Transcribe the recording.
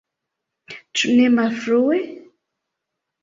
Ĉu ne malfrue?